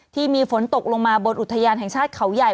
ที่มีฝนตกลงมาบนอุทยานแห่งชาติเขาใหญ่